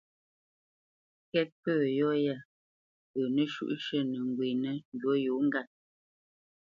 Kɛ́t pə̂ tâʼ yɔ̂ yâ pə nəshǔʼshʉ̂ nə́ ŋgwênə ndǔ yǒ ŋgât.